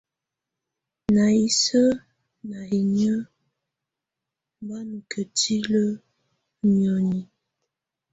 Ná isǝ́ ná inyǝ́ bá nɔ kǝ́tilǝ́ i nioni.